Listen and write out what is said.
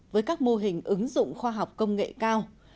với các mô hình ứng dụng khoa học công nghệ cao